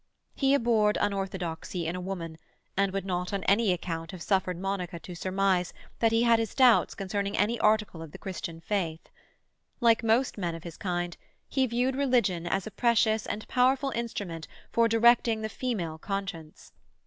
He abhorred unorthodoxy in a woman, and would not on any account have suffered Monica to surmise that he had his doubts concerning any article of the Christian faith. Like most men of his kind, he viewed religion as a precious and powerful instrument for directing the female conscience.